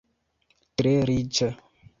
Tre riĉa.